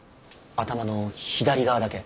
頭の左側だけ。